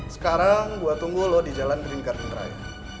sekarang gue tunggu lo di jalan green garden drive